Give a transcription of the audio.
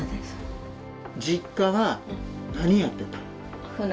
実家は何やってた？